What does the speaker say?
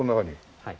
はい。